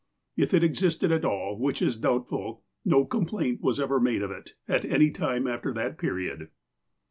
If it existed at all, which is doubtful, no complaint was ever made of it, at any time after that period.